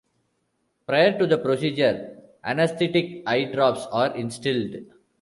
Prior to the procedure, anaesthetic eye drops are instilled.